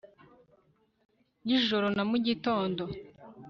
Yijoro na mu gitondo